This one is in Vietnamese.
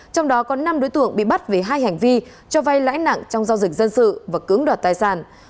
trong đó có năm đối tượng bị bắt về hai hành vi cho vay lãi nặng trong giao dịch dân sự và cưỡng đoạt tài sản